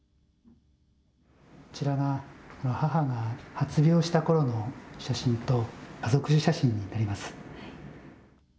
こちらが母が発病したころの写真と家族写真になります。